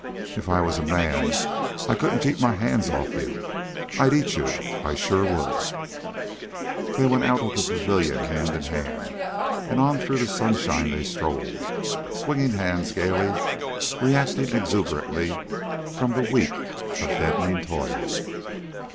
"If I was a man I couldn't keep my hands off you. I'd eat you, I sure would." They went out of the pavilion hand in hand, and on through the sunshine they strolled, swinging hands gaily, reacting exuberantly from the week of deadening toil.